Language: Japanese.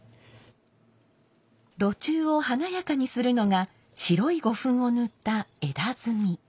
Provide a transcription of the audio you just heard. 炉中を華やかにするのが白い胡粉を塗った枝炭。